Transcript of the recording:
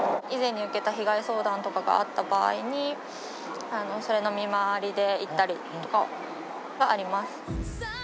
以前に受けた被害相談とかがあった場合に、それの見回りで行ったりはあります。